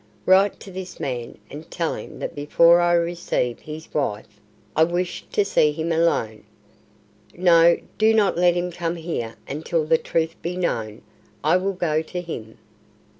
Write to this man, and tell him that before I receive his wife, I wish to see him alone. No do not let him come here until the truth be known. I will go to him."